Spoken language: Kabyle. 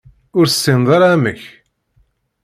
Ur tessineḍ ara amek?